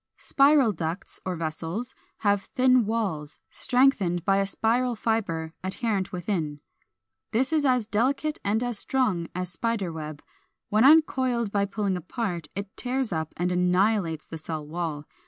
] Spiral ducts or vessels (Fig. 453 455) have thin walls, strengthened by a spiral fibre adherent within. This is as delicate and as strong as spider web: when uncoiled by pulling apart, it tears up and annihilates the cell wall.